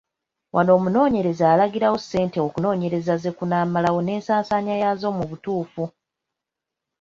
Wano omunoonyereza alagirawo ssente okunoonyereza ze kunaamalawo n’ensaasaanya yaazo mu butuufu.